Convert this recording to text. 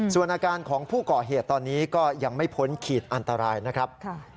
ส่วนอาการของผู้ก่อเหตุตอนนี้ก็ยังไม่พ้นขีดอันตรายนะครับ